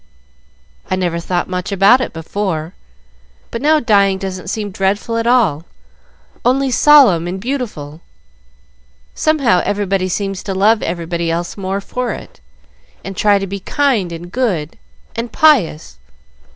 "I never thought much about it before, but now dying doesn't seem dreadful at all only solemn and beautiful. Somehow everybody seems to love everybody else more for it, and try to be kind and good and pious.